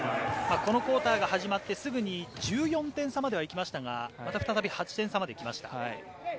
このクオーターが始まってすぐに１４点差までは行きましたが、また再び８点差まできました。